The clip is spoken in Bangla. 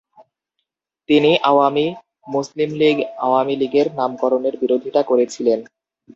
তিনি আওয়ামী মুসলিম লীগ আওয়ামী লীগের নামকরণের বিরোধিতা করেছিলেন।